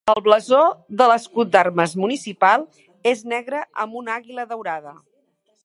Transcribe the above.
El blasó de l'escut d'armes municipal és negre amb un àguila daurada.